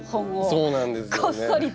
そうなんです。